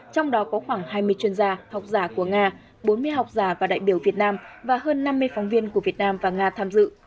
trong đó có khoảng hai mươi chuyên gia học giả của nga bốn mươi học giả và đại biểu việt nam và hơn năm mươi phóng viên của việt nam và nga tham dự